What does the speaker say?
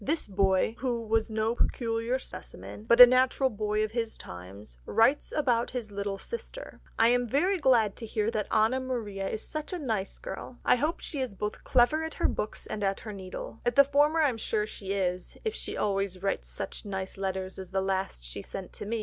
This boy, who was no peculiar specimen, but a natural boy of his times, writes about his little sister: "I am very glad to hear that Anna Maria is such a nice girl. I hope she is clever both at her books and at her needle ... at the former I am sure she is, if she always writes such nice letters as the last she sent to me.